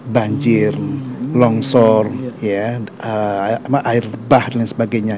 banjir longsor air bah dan lain sebagainya